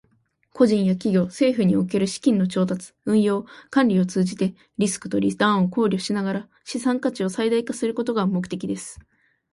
個人や企業、政府における資金の調達、運用、管理を通じて、リスクとリターンを考慮しながら資産価値を最大化することが目的です。